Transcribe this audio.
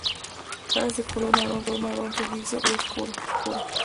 La cara es de color marrón-rojizo, con un borde oscuro.